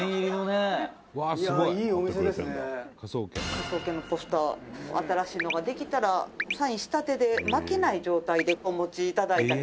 「『科捜研』のポスター新しいのができたらサインしたてで巻かない状態でお持ちいただいたりとか」